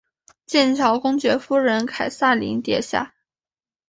剑桥公爵夫人凯萨琳殿下。